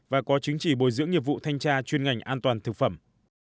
và có chứng chỉ bồi dưỡng nghiệp vụ thanh tra chuyên ngành an toàn thực phẩm